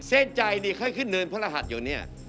เส้นใจเนี่ยเค้าขึ้นเนินพระรหัสอยู่นี่